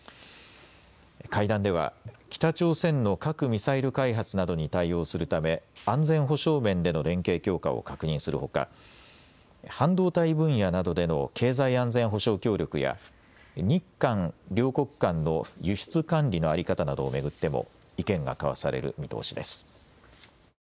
会談では北朝鮮の核・ミサイル開発などに対応するため安全保障面での連携強化を確認するほか半導体分野などでの経済安全保障協力や日韓両国間の輸出管理の在り方などを巡っても意見が交わされる見通しです。